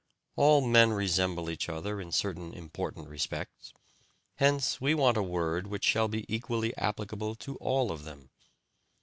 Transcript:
All men resemble each other in certain important respects; hence we want a word which shall be equally applicable to all of them.